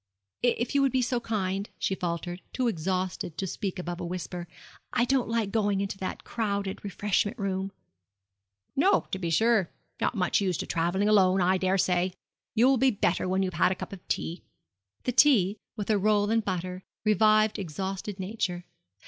'If you would be so kind,' she faltered, too exhausted to speak above a whisper; 'I don't like going into that crowded refreshment room.' 'No, to be sure not much used to travelling alone, I daresay. You will be better when you've had a cup of tea.' The tea, with a roll and butter, revived exhausted nature.